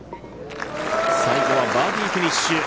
最後はバーディーフィニッシュ。